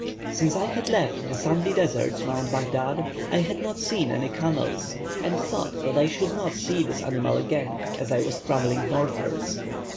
Since I had left the sandy deserts round Baghdad, I had not seen any camels, and thought that I should not see this animal again, as I was travelling northwards.